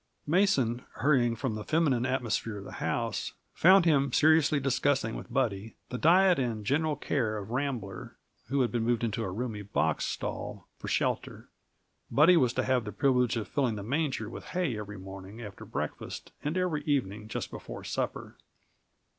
Mason, hurrying from the feminine atmosphere at the house, found him seriously discussing with Buddy the diet and general care of Rambler, who had been moved into a roomy box stall for shelter. Buddy was to have the privilege of filling the manger with hay every morning after breakfast, and every evening just before supper.